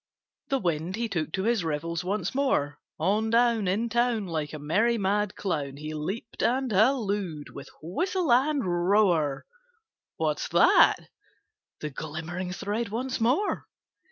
The Wind, he took to his revels once more; On down In town, Like a merry mad clown, He leaped and hallooed with whistle and roar, "What's that?" The glimmering thread once more!